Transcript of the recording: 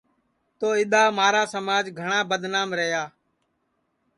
تو اِدؔا مہارا سماج گھٹؔا بدنام رہیا